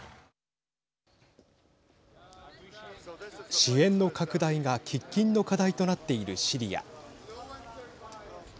支援の拡大が喫緊の課題となっているシリア。